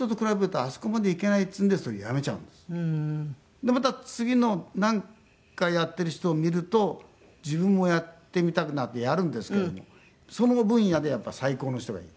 でまた次のなんかやっている人を見ると自分もやってみたくなってやるんですけどもその分野でやっぱり最高の人がいる。